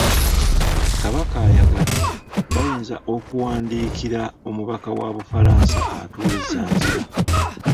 Kabaka ayagala, bayinza okuwandiikira Omubaka wa Bufransa atuula e Zanzibar.